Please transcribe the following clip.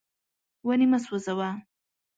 ونې مه سوځوه.